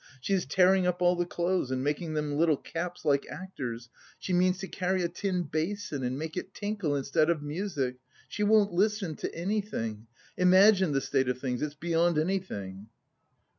She is tearing up all the clothes, and making them little caps like actors; she means to carry a tin basin and make it tinkle, instead of music.... She won't listen to anything.... Imagine the state of things! It's beyond anything!"